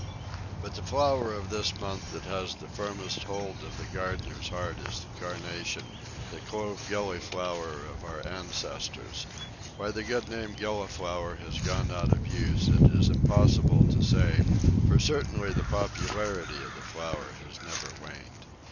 But the flower of this month that has the firmest hold of the gardener's heart is the Carnation the Clove Gilliflower of our ancestors. Why the good old name "Gilliflower" has gone out of use it is impossible to say, for certainly the popularity of the flower has never waned.